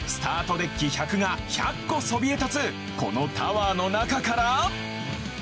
デッキ１００が１００個そびえ立つこのタワーの中から。